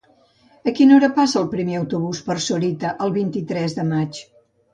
A quina hora passa el primer autobús per Sorita el vint-i-tres de maig?